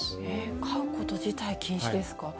飼うこと自体禁止ですか。